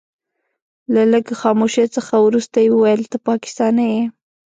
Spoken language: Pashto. له لږ خاموشۍ څخه وروسته يې وويل ته پاکستانی يې.